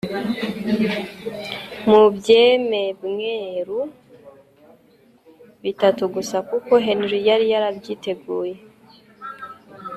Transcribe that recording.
mu byememweru bitatu gusa kuko Henry yari yarabyiteguye